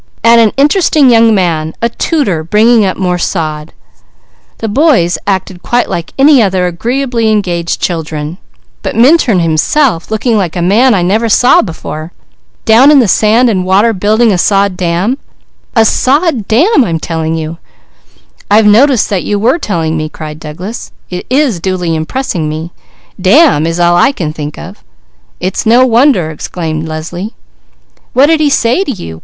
"And an interesting young man, a tutor, bringing up more sod; the boys acted quite like any other agreeably engaged children but Minturn himself, looking like a man I never saw before, down in the sand and water building a sod dam a sod dam I'm telling you " "I notice what you are telling me," cried Douglas. "It is duly impressing me. 'Dam' is all I can think of." "It's no wonder!" exclaimed Leslie. "What did he say to you?"